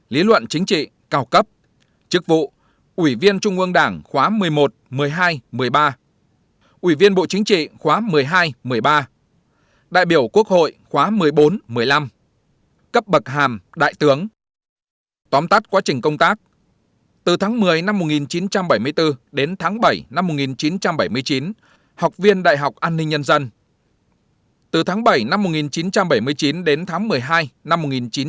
lý luận chính trị cao cấp chức vụ ủy viên trung ương đảng khóa một mươi một một mươi hai một mươi ba ủy viên bộ chính trị khóa một mươi hai một mươi ba đại biểu quốc hội khóa một mươi bốn một mươi năm cấp bậc hàm đại tướng tóm tắt quá trình công tác từ tháng một mươi năm một nghìn chín trăm bảy mươi bốn đến tháng bảy năm một nghìn chín trăm bảy mươi chín học viên đại học an ninh nhân dân từ tháng bảy năm một nghìn chín trăm bảy mươi chín đến tháng một mươi hai năm một nghìn chín trăm tám mươi tám